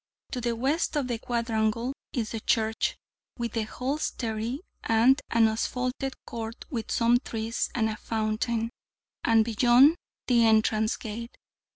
To the west of the quadrangle is the church, with the hostelry, and an asphalted court with some trees and a fountain; and beyond, the entrance gate.